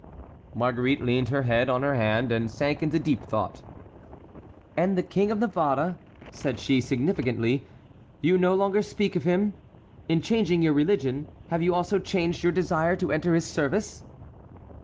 Marguerite leaned her head on her hand and sank into deep thought. "And the King of Navarre," said she, significantly, "you no longer speak of him? In changing your religion, have you also changed your desire to enter his service?"